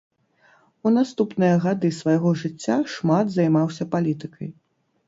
У наступныя гады свайго жыцця шмат займаўся палітыкай.